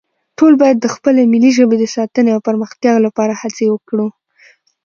ټول باید د خپلې ملي ژبې د ساتنې او پرمختیا لپاره هڅې وکړو